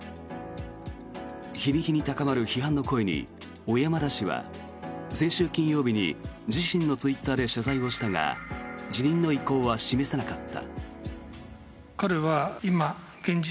日に日に高まる批判の声に小山田氏は先週金曜日に自身のツイッターで謝罪をしたが辞任の意向は示さなかった。